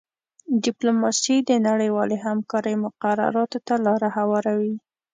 ډیپلوماسي د نړیوالې همکارۍ مقرراتو ته لاره هواروي